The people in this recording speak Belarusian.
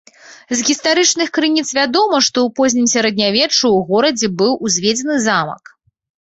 З гістарычных крыніц вядома, што ў познім сярэднявеччы ў горадзе быў узведзены замак.